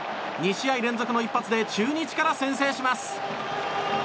２試合連続の一発で中日から先制します。